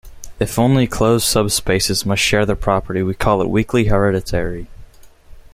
If only closed subspaces must share the property we call it weakly hereditary.